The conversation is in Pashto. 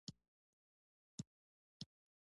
ښځمنو له دریاو سره ښکنځلې شروع کړې.